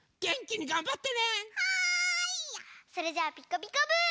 それじゃあ「ピカピカブ！」。